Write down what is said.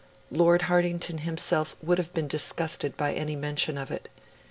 Lord Hartington himself would have been disgusted by any mention of it.